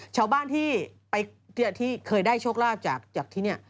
ชาวบ้านที่เคยได้โชคลาภจากที่นี่